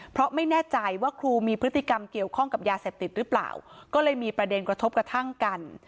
เพราะไม่แน่ใจว่าครูมีพฤติกรรมเกี่ยวข้องกับยาเสพติดหรือเปล่าก็เลยมีประเด็นกระทบกระทั่งกัน